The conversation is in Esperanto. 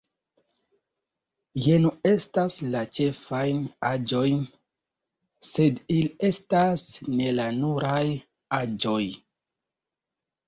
Jeno estas la ĉefaj aĵoj, sed ili estas ne la nuraj aĵoj.